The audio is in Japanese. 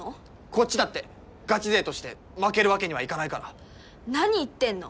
こっちだってガチ勢として負けるわけにはいかないから何言ってんの？